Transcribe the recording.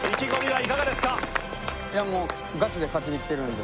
いやもうガチで勝ちにきてるんで。